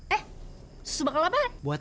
eh susu bakal apaan